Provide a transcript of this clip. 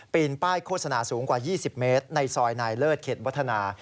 ปีนป้ายโฆษณาสูงกว่ายี่สิบเมตรในซอยนายเลิศเข็ดวัฒนา